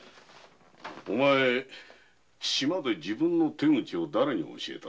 お前島で自分の手口をだれに教えた？